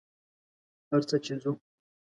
ارڅه چې څو